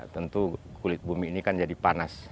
tentu kulit bumi ini kan jadi panas